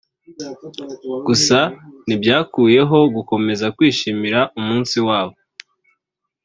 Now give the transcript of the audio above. gusa ntibyakuyeho gukomeza kwishimira umunsi wabo